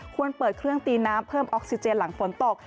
ควรเปิดเครื่องตีน้ำเพิ่มออกซิเจนหลังฝนตก